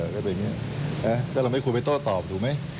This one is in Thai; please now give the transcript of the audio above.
ก็แบบนี้แต่เราไม่ควรไปโต้ตอบถูกไหม